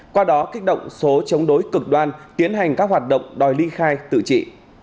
qua đó kích động số chống đối cực đoan tiến hành các hoạt động đòi ly khai tự trị